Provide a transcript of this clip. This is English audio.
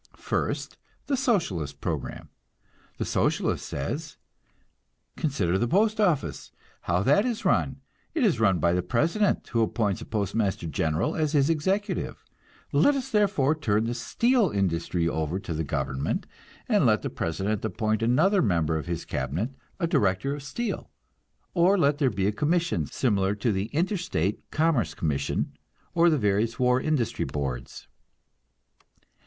First, the Socialist program. The Socialist says, "Consider the postoffice, how that is run. It is run by the President, who appoints a Postmaster General as his executive. Let us therefore turn the steel industry over to the government, and let the President appoint another member of his cabinet, a Director of Steel; or let there be a commission, similar to the Interstate Commerce Commission, or the various war industry boards."